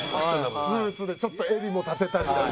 スーツでちょっと襟も立てたり。